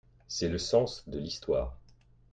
C’est le sens de l’histoire.